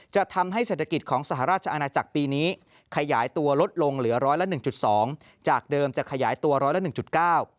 จะทำให้เศรษฐกิจของสหราชอาณาจักรปีนี้ขยายตัวลดลงเหลือร้อยละ๑๒จากเดิมจะขยายตัวร้อยละ๑๙